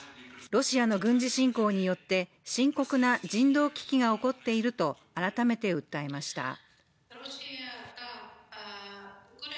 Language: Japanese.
ロシアの軍事侵攻によって深刻な人道危機が起こっていると改めて訴えました。